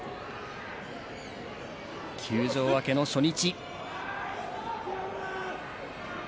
休場明けの初日。